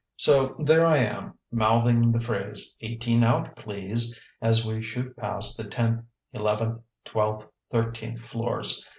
So there I am, mouthing the phrase, "Eighteen out, please," as we shoot past the tenth eleventh twelfth thirteenth floors.